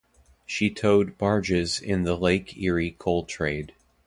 She towed barges in the Lake Erie coal trade.